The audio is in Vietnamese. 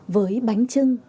với bánh trưng